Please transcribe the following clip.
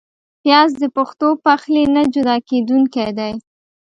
پیاز د پښتو پخلي نه جدا کېدونکی دی